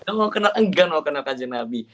nggak mau kenal kanjeng nabi